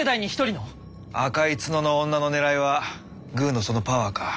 赤い角の女のねらいはグーのそのパワーか。